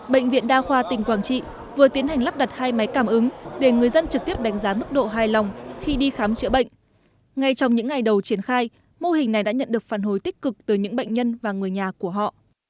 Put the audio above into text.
bệnh viện đa khoa tỉnh quảng trị vừa tiến hành lắp đặt hai máy cảm ứng để người dân trực tiếp đánh giá mức độ hài lòng khi đi khám chữa bệnh ngay trong những ngày đầu triển khai mô hình này đã nhận được phản hồi tích cực từ những bệnh nhân và người nhà của họ